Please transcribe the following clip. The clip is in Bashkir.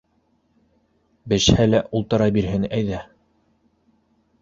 — Бешһә лә ултыра бирһен, әйҙә.